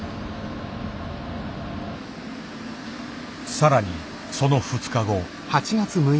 更にその２日後。